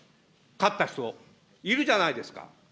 勝った人、いるじゃないですか。